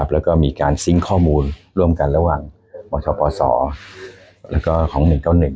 แล้วก็มีการซิงค์ข้อมูลร่วมกันระหว่างมอและ๑๙๑